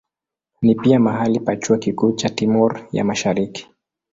Ni pia mahali pa chuo kikuu cha Timor ya Mashariki.